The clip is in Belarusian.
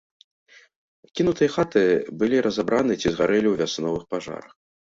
Кінутыя хаты былі разабраны ці згарэлі ў вясновых пажарах.